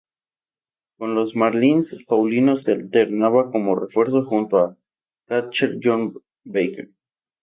Con los Marlins, Paulino se alternaba como refuerzo junto al catcher John Baker.